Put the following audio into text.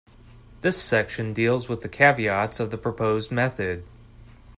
This section deals with the caveats of the proposed method.